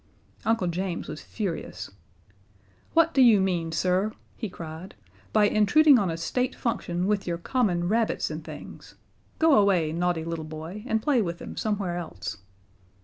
Uncle James was furious. "What do you mean, sir," he cried, "by intruding on a State function with your common rabbits and things? Go away, naughty little boy, and play with them somewhere else."